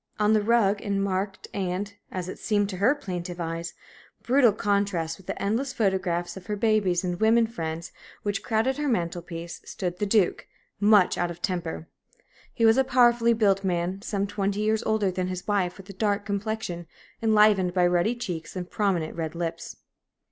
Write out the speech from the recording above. On the rug, in marked and, as it seemed to her plaintive eyes, brutal contrast with the endless photographs of her babies and women friends which crowded her mantel piece, stood the Duke, much out of temper. He was a powerfully built man, some twenty years older than his wife, with a dark complexion, enlivened by ruddy cheeks and prominent, red lips.